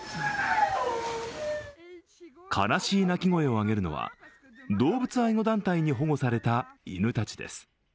悲しい鳴き声を上げるのは動物愛護団体の保護された犬たちです。